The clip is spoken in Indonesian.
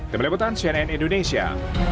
demi lebutan cnn indonesia